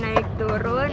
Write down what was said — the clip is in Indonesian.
masih naik turun